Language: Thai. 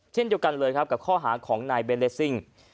เช่นเดียวกันเลยครับกับข้อหาของนายเบนเลสซิ่ง